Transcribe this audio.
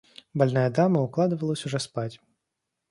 Больная дама укладывалась уже спать.